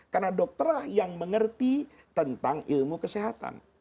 karena dokterlah yang mengerti tentang ilmu kesehatan